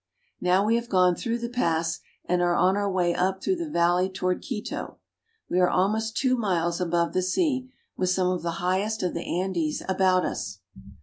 Now we have gone through the pass and are on our way up through the valley toward Quito. We are almost two miles above the sea, with some of the highest of the Andes about us.